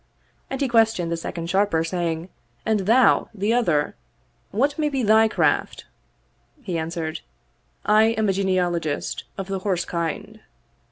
'* And he questioned the second Sharper saying, "And thou, the other, what may be thy craft?" He answered, " I am a genealogist of the horse kind.'